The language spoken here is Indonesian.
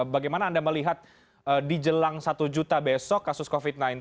bagaimana anda melihat di jelang satu juta besok kasus covid sembilan belas